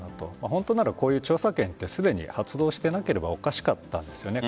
本当なら調査権ってすでに発動してなければおかしかったんですよね。